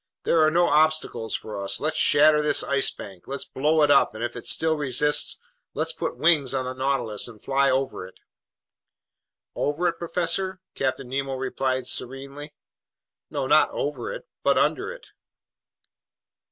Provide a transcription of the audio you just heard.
There are no obstacles for us! Let's shatter this Ice Bank! Let's blow it up, and if it still resists, let's put wings on the Nautilus and fly over it!" "Over it, professor?" Captain Nemo replied serenely. "No, not over it, but under it."